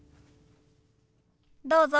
どうぞ。